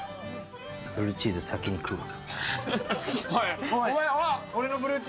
ブルーチーズ先に食うわ。